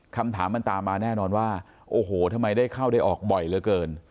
คำถามมันตามมาแน่นอนว่าโอ้โหทำไมได้เข้าได้ออกบ่อยเหลือเกิน